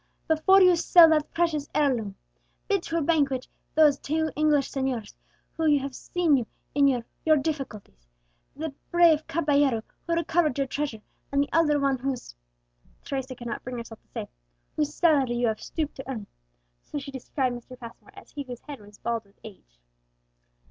"Before you sell that precious heirloom, bid to a banquet those two English señors who have seen you in your your difficulties; the brave caballero who recovered your treasure, and the elder one whose" Teresa could not bring herself to say, "whose salary you have stooped to earn," so she described Mr. Passmore as he whose head was bald with age.